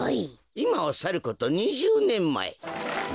いまをさること２０ねんまえ